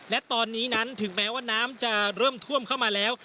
และตอนนี้นั้นถึงแม้ว่าน้ำจะเริ่มท่วมเข้ามาแล้ว